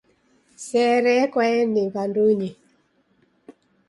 Sere yekwaeni w'andunyi.